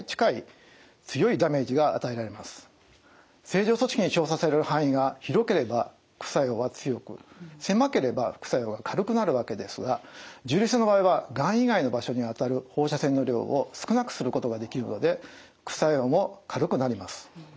正常組織に照射される範囲が広ければ副作用は強く狭ければ副作用が軽くなるわけですが重粒子線の場合にはがん以外の場所に当たる放射線の量を少なくすることができるので副作用も軽くなります。